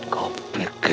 kau pikir aku tidak